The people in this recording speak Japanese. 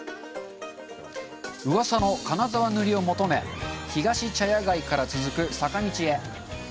うわさの「金沢塗り」を求め、ひがし茶屋街から続く坂道へ。